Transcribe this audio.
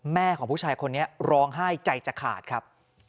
ของผู้ชายคนนี้ร้องไห้ใจจะขาดครับ